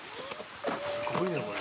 すごいね、これ。